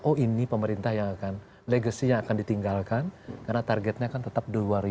oh ini pemerintah yang akan legasinya akan ditinggalkan karena targetnya akan tetap dua ribu empat puluh lima